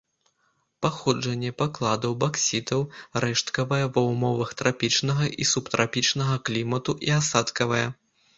Паходжанне пакладаў баксітаў рэшткавае ва ўмовах трапічнага і субтрапічнага клімату і асадкавае.